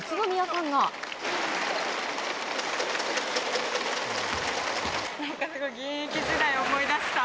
なんかすごい、現役時代を思い出した。